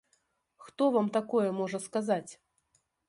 Хто вам такое можа сказаць?